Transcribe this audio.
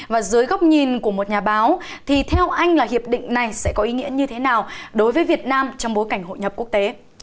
và dưới góc nhìn của một nhà báo thì theo anh là hiệp định này sẽ có ý nghĩa như thế nào đối với việt nam trong bối cảnh hội nhập quốc tế